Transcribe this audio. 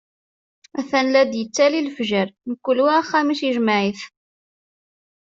Atan la yettali lefjer, kul wa axxam-is ijmeɛ-it.